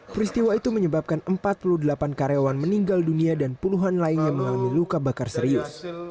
peristiwa itu menyebabkan empat puluh delapan karyawan meninggal dunia dan puluhan lainnya mengalami luka bakar serius